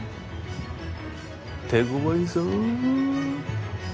手ごわいぞ。